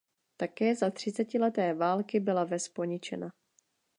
Také za třicetileté války byla ves poničena.